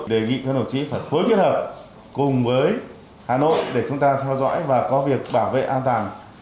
đề nghị các hồ chứa phải khối kết hợp cùng với hà nội để chúng ta theo dõi và có việc bảo vệ an toàn